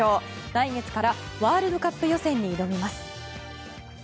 来月からワールドカップ予選に挑みます。